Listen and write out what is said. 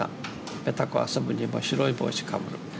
ペタコ遊ぶにも白い帽子かぶる。